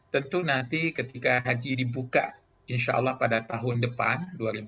tentu nanti ketika haji dibuka insya allah pada tahun depan